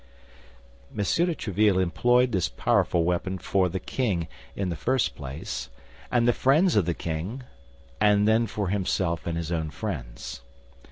M. de Tréville employed this powerful weapon for the king, in the first place, and the friends of the king—and then for himself and his own friends.